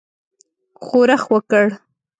ښورښ وکړ.